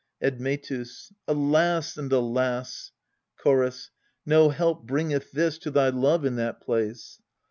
Admetus. Alas and alas ! Chorus. No help bringeth this To thy love in that place.